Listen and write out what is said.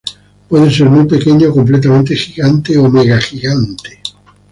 Puede ser muy pequeña o completamente gigante o mega gigante.